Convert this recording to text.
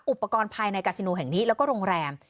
อุปกรณ์ภายในกาซิโนแห่งนี้แล้วก็โรงแรม